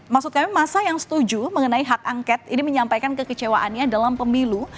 maksud kami masa yang setuju mengenai hak angket ini menyampaikan kekecewaannya dalam pemilu